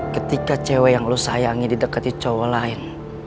ketika cewek yang lo sayangi didekati cowok lain